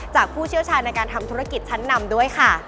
ผู้เชี่ยวชาญในการทำธุรกิจชั้นนำด้วยค่ะ